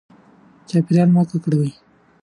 چاپیریال مه ککړوئ.